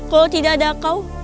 kalau tidak ada kau